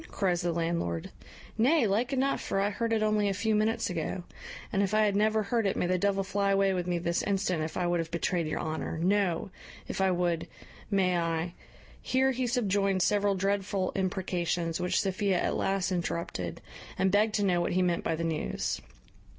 cries the landlord; "nay, like enough, for I heard it only a few minutes ago; and if I had never heard it, may the devil fly away with me this instant if I would have betrayed your honour! no, if I would, may I " Here he subjoined several dreadful imprecations, which Sophia at last interrupted, and begged to know what he meant by the news.